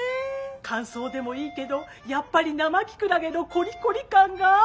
乾燥でもいいけどやっぱり生キクラゲのコリコリ感が。